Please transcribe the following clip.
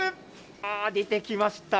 あー、出てきました。